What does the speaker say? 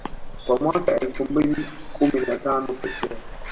Kwa mwaka elfu mbili kumi na tano pekee